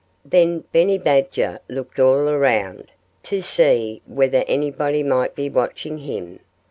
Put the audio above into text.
Then Benny Badger looked all around, to see whether anybody might be watching him.